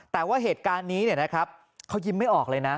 แต่ว่าเหตุการณ์นี้เขายิ้มไม่ออกเลยนะ